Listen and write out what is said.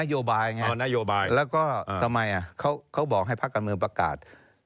ไม่รู้ว่าก็นโยบายไงแล้วก็ทำไมอ่ะเขาบอกให้ภาคการเมืองประกาศ